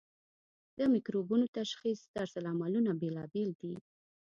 د مکروبونو تشخیصي طرزالعملونه بیلابیل دي.